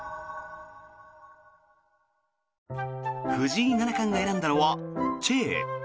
藤井七冠が選んだのはチェー。